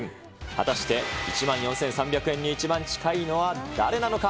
果たして１万４３００円に一番近いのは誰なのか。